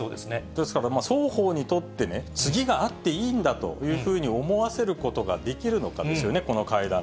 ですから、双方にとってね、次があっていいんだというふうに思わせることがそうですね。